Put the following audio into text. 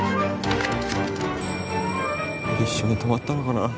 一緒に泊まったのかな？